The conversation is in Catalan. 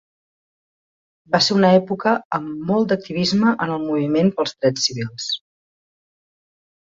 Va ser una època amb molt d'activisme en el moviment pels drets civils.